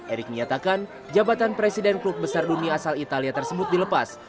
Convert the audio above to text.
erick menyatakan jabatan presiden klub besar dunia asal italia tersebut dilepas